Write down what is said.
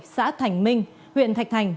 xã thành minh huyện thạch thành